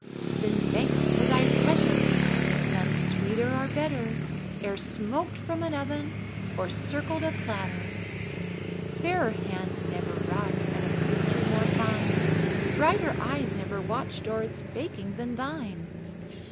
Then thanks for thy present! none sweeter or better E'er smoked from an oven or circled a platter! Fairer hands never wrought at a pastry more fine, Brighter eyes never watched o'er its baking, than thine!